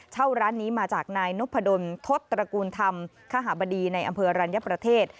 ร้านนี้มาจากนายนพดลทศตระกูลธรรมคาหาบดีในอำเภอรัญญประเทศ